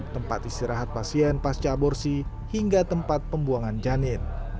tempat istirahat pasien pasca aborsi hingga tempat pembuangan janin